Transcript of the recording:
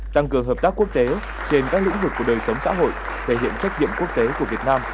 tăng cường hợp tác quốc tế trên các lĩnh vực của đời sống xã hội thể hiện trách nhiệm quốc tế của việt nam